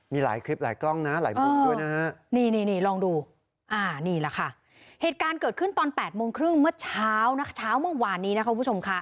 มีหลายคลิปหลายกล้องนะหลายมุมด้วยนะ